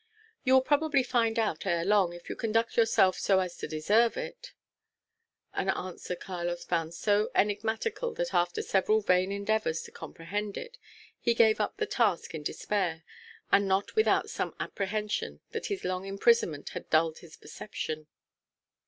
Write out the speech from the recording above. "You will probably find out ere long, if you conduct yourself so as to deserve it," an answer Carlos found so enigmatical, that after several vain endeavours to comprehend it, he gave up the task in despair, and not without some apprehension that his long imprisonment had dulled his perceptions.